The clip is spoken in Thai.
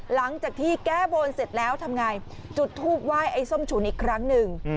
หลังจากที่แก้บนเสร็จแล้วทำไงจุดทูปไหว้ไอ้ส้มฉุนอีกครั้งหนึ่ง